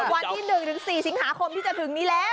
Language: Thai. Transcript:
วันที่๑๔สิงหาคมที่จะถึงนี้แล้ว